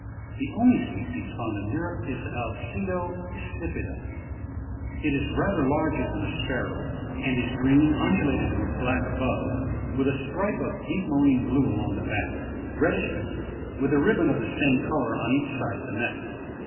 The only species found in Europe is the Akedo ispida^^M is rather larger than a Sparrow, and is green, undulated with black above, with. a stripe of deep marine blue along the back ; reddish beneath, with a ribbon of the same colour on each side of the neck.